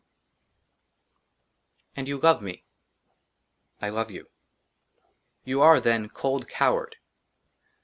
XL AND YOU LOVE ME I LOVE YOU. YOU ARE, THEN, COLD COWARD.